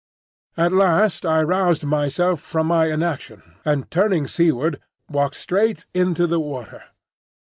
At last I roused myself from my inaction, and turning seaward walked straight into the water.